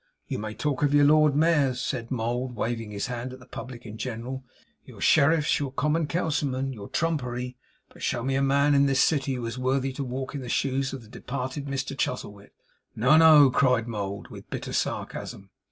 You may talk of your lord mayors,' said Mould, waving his hand at the public in general, 'your sheriffs, your common councilmen, your trumpery; but show me a man in this city who is worthy to walk in the shoes of the departed Mr Chuzzlewit. No, no,' cried Mould, with bitter sarcasm.